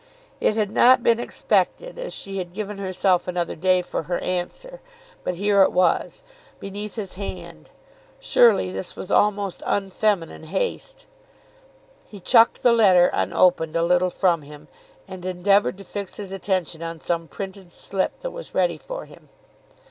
It had not been expected, as she had given herself another day for her answer, but here it was, beneath his hand. Surely this was almost unfeminine haste. He chucked the letter, unopened, a little from him, and endeavoured to fix his attention on some printed slip that was ready for him.